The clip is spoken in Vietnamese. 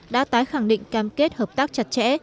đã tái khẳng định cam kết hợp tác chặt chẽ